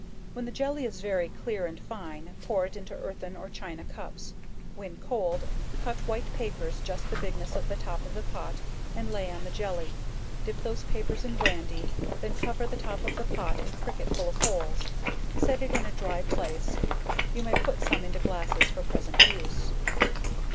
When the jelly is very clear and fine, pour it into earthern or china cups, when cold, cut white papers just the bigness of the top of the pot, and lay on the jelly, dip those papers in brandy, then cover the top of the pot and prick it full of holes, set it in a dry place; you may put some into glasses for present use.